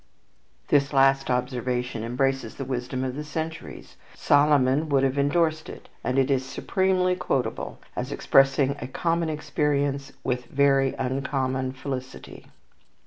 This last observation embraces the wisdom of the centuries. Solomon would have endorsed it, and it is supremely quotable as expressing a common experience with very uncommon felicity.